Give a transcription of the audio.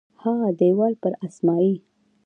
ها دیوال پر اسمایي